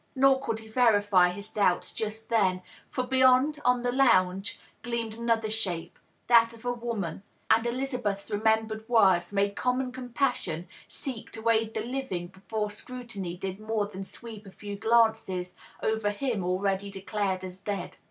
Nor could he verify his doubts, just then ; for beyond, on the lounge, gleamed another shape, that of a woman ; and Elizabeth's rememt^red words made common compassion seek to aid the living before scrutiny did more than sweep a few glances over him already declared as dead.